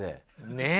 ねえ。